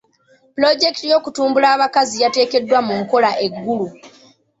Pulojekiti y'okutumbula abakazi yateekebwa mu nkola e Gulu.